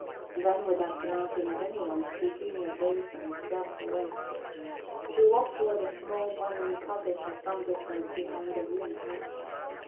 Then without glancing at any one, Eugenia rose and stalked away. She walked toward a small one room cottage at some distance behind the ruined house.